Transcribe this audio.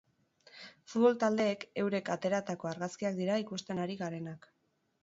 Futbol taldeek eurek ateratako argazkiak dira ikusten ari garenak.